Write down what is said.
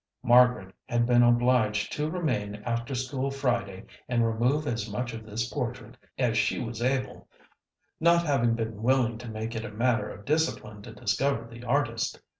Margaret had been obliged to remain after school Friday and remove as much of this portrait as she was able, not having been willing to make it a matter of discipline to discover the artist.